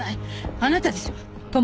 あなたでしょ？